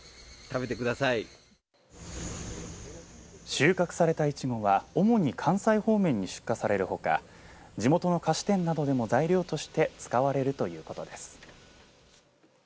収穫されたイチゴは主に関西方面に出荷されるほか地元の菓子店などでも材料として使われるということです。